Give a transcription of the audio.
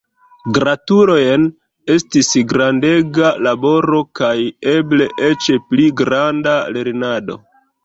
Gratulojn estis grandega laboro kaj eble eĉ pli granda lernado!